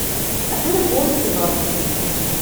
I heard a voice above me.